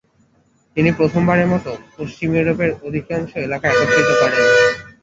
তিনি প্রথমবারের মত পশ্চিম ইউরোপের অধিকাংশ এলাকা একত্রিত করেন।